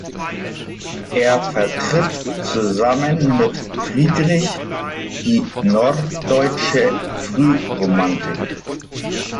Er vertritt zusammen mit Friedrich die Norddeutsche Frühromantik.